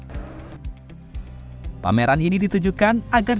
pameran ini ditujukan agar jangkauan bisnis dari pelanggan